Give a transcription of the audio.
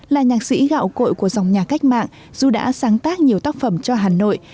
là nhạc sĩ gạo cội của dòng nhà cách mạng dù đã sáng tác nhiều tác phẩm cho hà nội